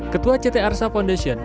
ketua ct arsa foundation